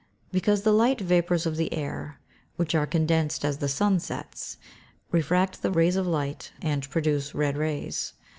_ Because the light vapours of the air, which are condensed as the sun sets, refract the rays of light, and produce red rays.